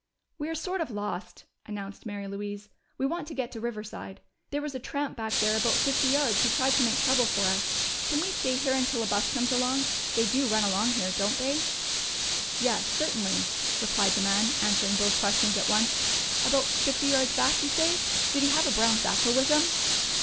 "We're sort of lost," announced Mary Louise. "We want to get to Riverside. There was a tramp back there about fifty yards who tried to make trouble for us. Can we stay here until a bus comes along they do run along here, don't they?" "Yes, certainly," replied the man, answering both questions at once. "About fifty yards back, you say? Did he have a brown satchel with him?"